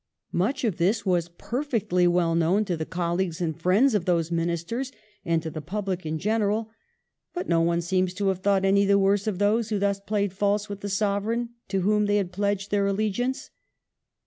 Much of this was perfectly well known to the colleagues and friends of those Ministers and to the public in general ; but no one seems to have thought any the worse of those who thus played false with the Sovereign to whom they had pledged their allegiance.